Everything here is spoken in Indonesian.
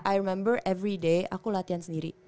i remember everyday aku latihan sendiri